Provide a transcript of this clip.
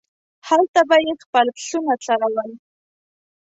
هلته به یې خپل پسونه څرول.